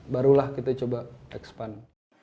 barulah kita coba expand